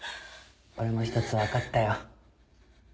俺も１つ分かったよ。